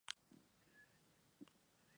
Izquierdo se ha casado dos veces.